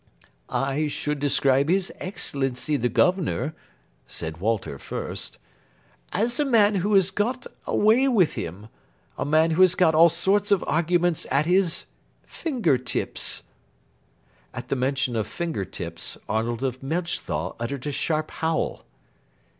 "I should describe His Excellency the Governor," said Walter Fürst, "as a man who has got a way with him a man who has got all sorts of arguments at his finger tips." At the mention of finger tips, Arnold of Melchthal uttered a sharp howl.